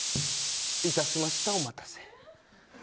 致しました、お待たせ。